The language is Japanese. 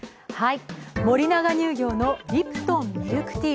森永乳業のリプトンミルクティー。